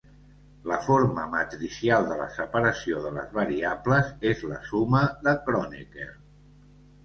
La forma matricial de la separació de les variables és la suma de Kronecker.